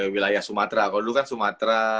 wilayah sumatera kalau dulu kan sumatera